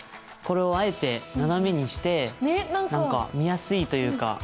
これをあえて斜めにして何か見やすいというか。